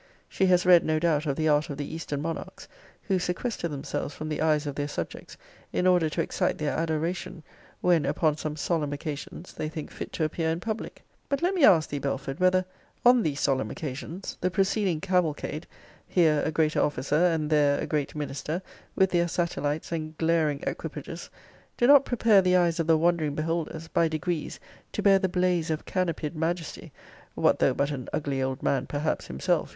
She has read, no doubt, of the art of the eastern monarchs, who sequester themselves from the eyes of their subjects, in order to excite their adoration, when, upon some solemn occasions, they think fit to appear in public. But let me ask thee, Belford, whether (on these solemn occasions) the preceding cavalcade; here a greater officer, and there a great minister, with their satellites, and glaring equipages; do not prepare the eyes of the wondering beholders, by degrees, to bear the blaze of canopy'd majesty (what though but an ugly old man perhaps himself?